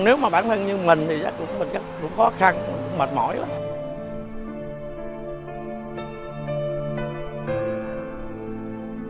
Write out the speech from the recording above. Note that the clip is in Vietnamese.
nếu mà bản thân như mình thì chắc cũng khó khăn mệt mỏi lắm